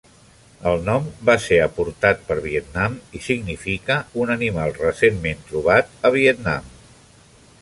El nom va ser aportat per Vietnam i significa un animal recentment trobat a Vietnam.